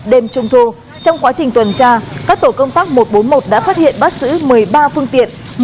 đêm trung thu trong quá trình tuần tra các tổ công tác một trăm bốn mươi một đã phát hiện bắt xử một mươi ba phương tiện